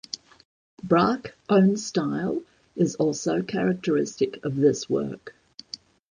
Braque own style is also characteristic of this work.